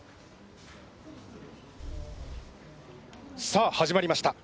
☎さあ始まりました。